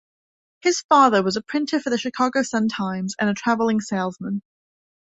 His father was a printer for the "Chicago Sun-Times" and a traveling salesman.